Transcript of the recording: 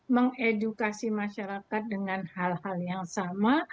mengedukasi masyarakat dengan hal hal yang sama